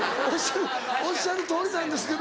おっしゃるとおりなんですけど。